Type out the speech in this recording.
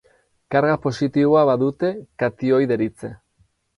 Karga positiboa badute katioi deritze.